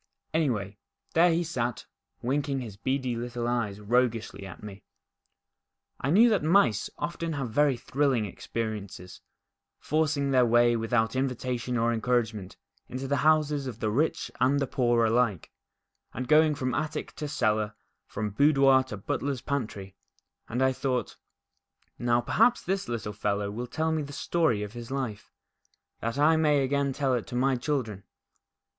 Anyway, there he sat, winking his beady little eyes roguishly at me. I knew that mice often have very thrilling experiences, forcing their way without inxitation or encouragement into the houses of the rich and poor alike, and going from attic to cellar, from boudoir to butler's pantry, and I thought, Now. perhaps this little fellow will tell me the story of his life, that I may again tell it to my children."